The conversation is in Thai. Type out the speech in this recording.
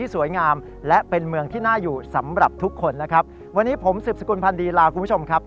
สวัสดีครับ